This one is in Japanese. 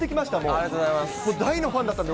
ありがとうございます。